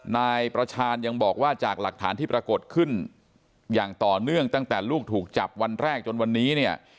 นายประชานยังบอกว่าจากหลักฐานที่ปรากฏขึ้นอย่างต่อเนื่องตั้งแต่ลูกถูกจับวันแรกจนวันนี้เนี่ย